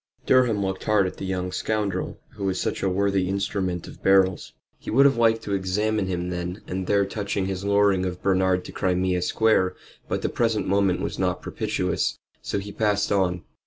Durham looked hard at the young scoundrel who was such a worthy instrument of Beryl's. He would have liked to examine him then and there touching his luring of Bernard to Crimea Square, but the present moment was not propitious, so he passed on.